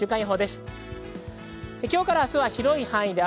今日から明日は広い範囲で雨。